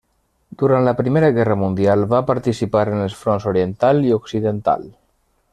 Durant la Primera Guerra Mundial va participar en els fronts Oriental i Occidental.